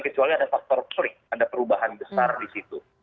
kecuali ada faktor perubahan besar di situ